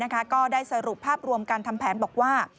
ก็ได้สรุปภาพรวมการทำแผนบอกว่า